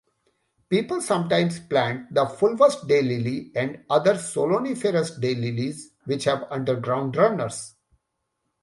People sometimes plant the Fulvous Daylily and other stoloniferous daylilies, which have underground runners.